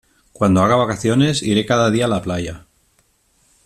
Cuando haga vacaciones iré cada día a la playa.